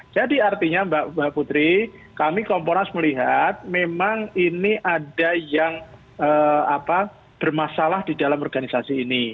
artinya mbak putri kami komponas melihat memang ini ada yang bermasalah di dalam organisasi ini